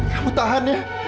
kamu tahan ya